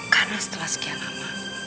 karena setelah sekian lama